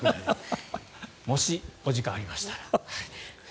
もし、お時間ありましたら。